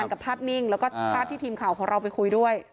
กับภาพนิ่งแล้วก็ภาพที่ทีมข่าวของเราไปคุยด้วย